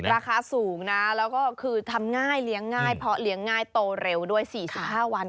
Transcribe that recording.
ราคาสูงนะแล้วก็คือทำง่ายเลี้ยงง่ายเพราะเลี้ยงง่ายโตเร็วด้วย๔๕วัน